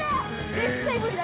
絶対無理だ。